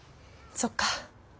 そっか。